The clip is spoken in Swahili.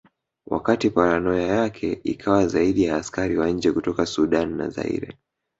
Wakati paranoia yake ikawa zaidi ya askari wa nje kutoka Sudan na Zaire